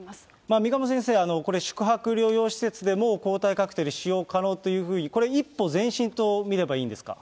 三鴨先生、これ、宿泊療養施設でも抗体カクテル使用可能というふうに、これ、一歩前進と見ればいいんですか？